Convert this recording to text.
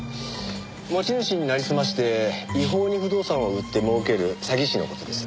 持ち主になりすまして違法に不動産を売って儲ける詐欺師の事です。